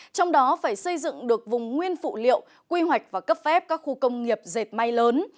trong đó phải xây dựng được vùng nguyên phụ liệu quy hoạch và cấp phép các khu công nghiệp dệt may lớn